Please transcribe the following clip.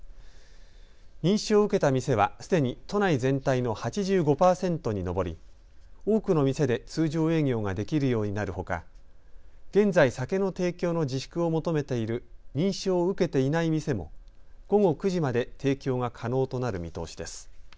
認証を受けた店はすでに都内全体の８５％に上り、多くの店で通常営業ができるようになるほか現在、酒の提供の自粛を求めている認証を受けていない店も午後９時まで提供が可能となる見通しです。